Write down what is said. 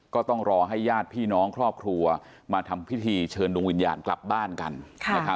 ก็ต้องรอให้ญาติพี่น้องครอบครัวมาทำพิธีเชิญดวงวิญญาณกลับบ้านกันนะครับ